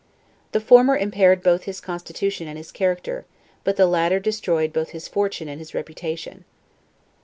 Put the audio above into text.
The former impaired both his constitution and his character, but the latter destroyed both his fortune and his reputation.